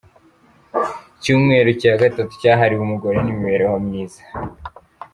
Icyumweru cya gatatu cyahariwe umugore n’ imibereho myiza.